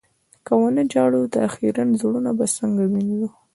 که و نه ژاړو، دا خيرن زړونه به څنګه مينځو؟